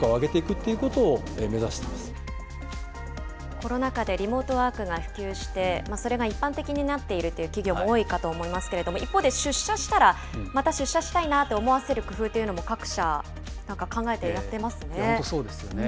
コロナ禍でリモートワークが普及して、それが一般的になっているという企業も多いかと思いますけれども、一方で出社したら、また出社したいなと思わせる工夫というのも各本当、そうですよね。